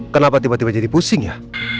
kenapa tiba tiba jadi pusing ya